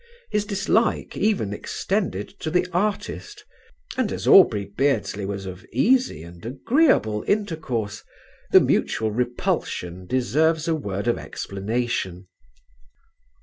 His dislike even extended to the artist, and as Aubrey Beardsley was of easy and agreeable intercourse, the mutual repulsion deserves a word of explanation.